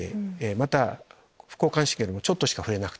また副交感神経もちょっとしか振れなくて。